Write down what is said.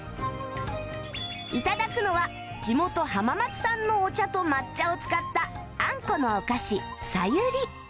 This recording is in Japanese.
頂くのは地元浜松産のお茶と抹茶を使ったあんこのお菓子茶遊里